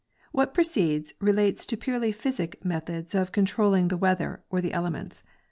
What precedes relates to purely psychic methods of control ling the weather or the elements.